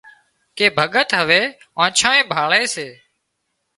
ڪي ڀڳت هوي آنڇانئي ڀاۯي سي